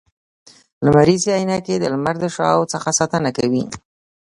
لمریزي عینکي د لمر د شعاوو څخه ساتنه کوي